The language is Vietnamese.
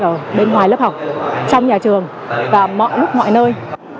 ở bên ngoài lớp học trong nhà trường và mọi lúc mọi nơi